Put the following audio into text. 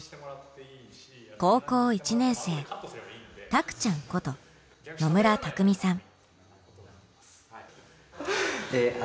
高校１年生たくちゃんこと野村拓未さん。